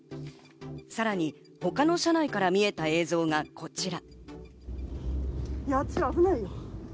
さらに他の車内から見えた映像がこちら。